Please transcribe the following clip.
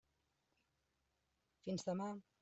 Fins demà.